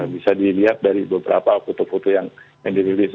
bisa dilihat dari beberapa foto foto yang dirilis